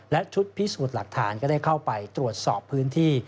และชุดพิสูจน์หลักฐานก็ได้เข้าไปตรวจสอบพื้นที่